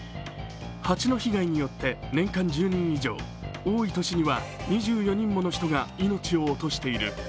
蜂の被害によって、年間１０人以上多い年には２４人もの人が命を落としている。